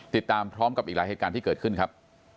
ติดตามพร้อมกับอีกหลายเหตุการณ์ที่เกิดขึ้นครับ